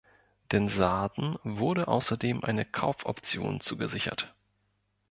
Den Sarden wurde außerdem eine Kaufoption zugesichert.